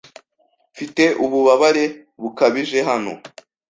Mfite ububabare bukabije hano.